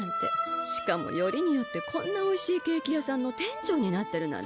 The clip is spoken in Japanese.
しかもよりによってこんなおいしいケーキ屋さんの店長になってるなんて。